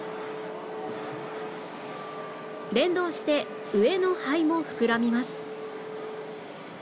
連動して上の肺も膨らみます